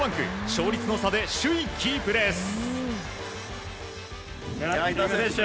勝率の差で首位キープです。